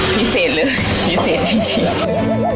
พิเศษเลยพิเศษจริง